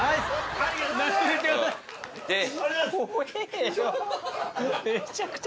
ありがとうございます！